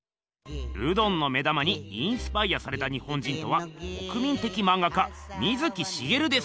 ルドンの目玉にインスパイアされた日本人とは国民的まんが家水木しげるです。